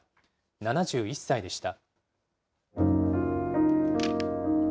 ７１歳でした。